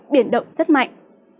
biển động rất mạnh